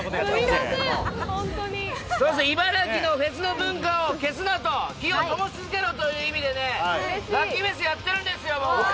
茨城のフェスの文化を消すなと、火をともし続けろという意味で、ＬｕｃｋｙＦｅｓ’やってるんですよ。